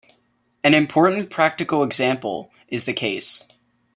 An important practical example is the case.